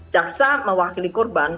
jaksa mewakili korban